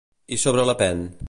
I sobre Le Pen?